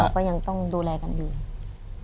เราก็ยังต้องดูแลกันยังอย่างง่าย